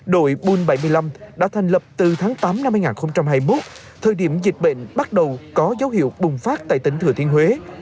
đội bull bảy mươi năm đã thành lập từ tháng tám năm hai nghìn hai mươi một thời điểm dịch bệnh bắt đầu có dấu hiệu bùng phát tại tỉnh thừa thiên huế